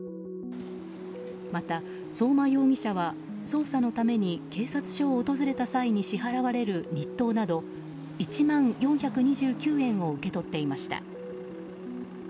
また、相馬容疑者は捜査のために警察署を訪れた際に支払われる日当など１万４２９円を受け取っていました。